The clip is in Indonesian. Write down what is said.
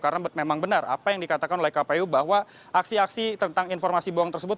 karena memang benar apa yang dikatakan oleh kpu bahwa aksi aksi tentang informasi bohong tersebut